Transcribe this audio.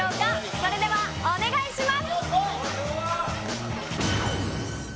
それではお願いします。